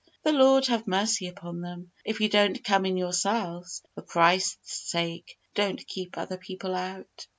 The Lord have mercy upon them! If you don't come in yourselves, for Christ's sake don't keep other people out.